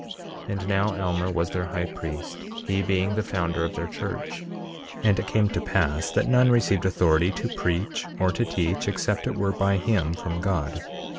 23:16 And now, Alma was their high priest, he being the founder of their church. 23:17 And it came to pass that none received authority to preach or to teach except it were by him from God.